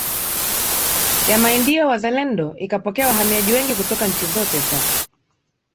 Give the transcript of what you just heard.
ya Maindio wazalendo ikapokea wahamiaji wengi kutoka nchi zote za